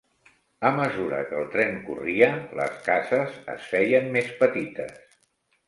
A mesura que el tren corria, les cases es feien més petites.